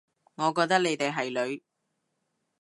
我覺得你哋係女